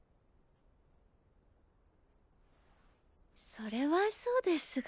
それはそうですが。